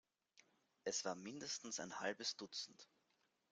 Es war mindestens ein halbes Dutzend.